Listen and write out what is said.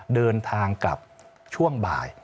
เดินทางกลับช่วงบ่าย